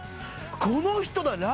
「この人だ。